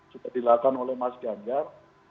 sudah dilakukan oleh mas ganjar